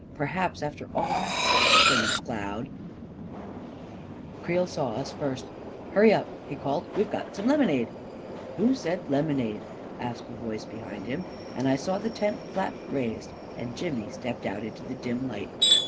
Perhaps, after all there had been a cloud •.. a 9 o A KING IN BABYLON Creel saw us first. " Hurry up I " he called. " WeVe got some lemonade !" 44 Who said lemonade ?" asked a voice behind him, and I saw the tent flap raised, and Jimmy stepped out into the dim light.